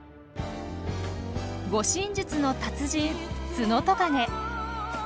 護身術の達人ツノトカゲ。